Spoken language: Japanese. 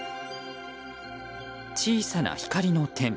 小さな光の点。